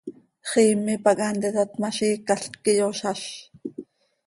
Xiime pac haa ntitat ma, ziicalc quih iyozáz.